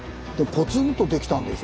ポツンとできたんです。